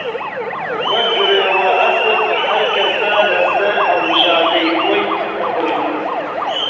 وەک گرێوە ئەسپ هەر کەسە لە سەر هەڵبژاردەی خۆی دەبڕی